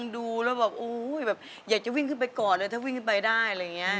ดูแล้วอยากจะวิ่งขึ้นไปกอดเลยถ้าวิ่งขึ้นไปได้